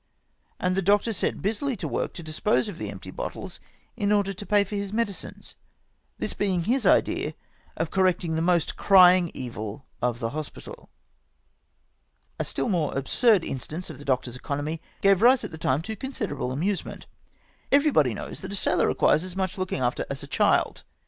" And the doctor set busily to work to dispose of the empty bottles m order to pay for his medicines, — this being his idea of correcting the most crying evil of the hospital. A still more absurd instance of the doctor's economy gave rise at the time to considerable amusement. Every body knows that a sailor requires as much looking after as a child.